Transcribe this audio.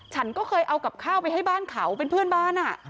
ฉันก็เคยเอากับข้าวไปให้บ้านเขาเป็นเพื่อนบ้าน